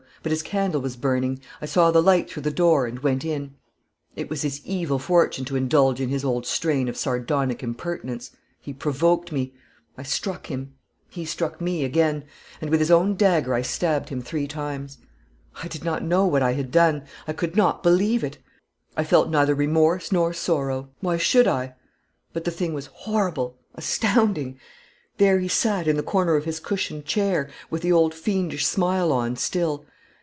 But his candle was burning; I saw the light through the door, and went in. It was his evil fortune to indulge in his old strain of sardonic impertinence. He provoked me; I struck him he struck me again and with his own dagger I stabbed him three times. I did not know what I had done; I could not believe it. I felt neither remorse nor sorrow why should I? but the thing was horrible, astounding. There he sat in the corner of his cushioned chair, with the old fiendish smile on still.